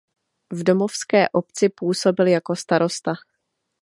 V domovské obci působil jako starosta.